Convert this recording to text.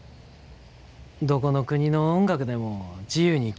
どこの国の音楽でも自由に聴ける。